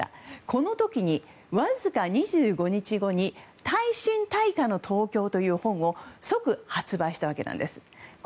この時に、わずか２５日後に「大震大火の東京」という本を即発売したわけなんです。